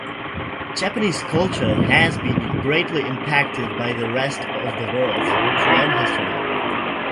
Japanese culture has been greatly impacted by the rest of the world throughout history.